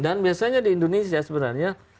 dan biasanya di indonesia sebenarnya